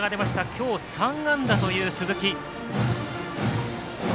今日３安打という鈴木。